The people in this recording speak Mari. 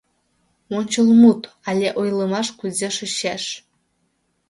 ОНЧЫЛМУТ, АЛЕ ОЙЛЫМАШ КУЗЕ ШОЧЕШ